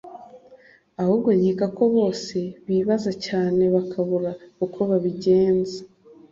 ahubwo nkeka ko bose bibabaza cyane bakabura uko babigenza